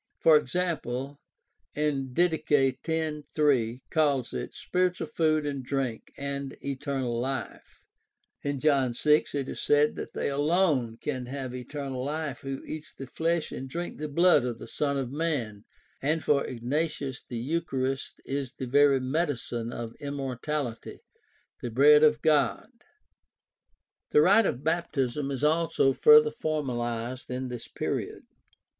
For example, Did. 10:3 calls it ''spiritual food and drink and eternal life"; in John 6 : 5 1 59 it is said that they alone have eternal life who eat the flesh and drink the blood of the Son of Man; and for Ignatius the Eucharist is the very "medicine of immor tality," the ''bread of God" (Eph. 20:2; Rom. 7:3; see also Justin Apol. i. 66. 2). The rite of baptism is also further formalized in this period.